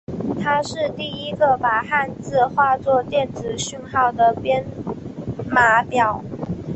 它是第一个把汉字化作电子讯号的编码表。